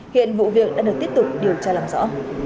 hiện vụ việc đã được tiếp tục điều tra làm rõ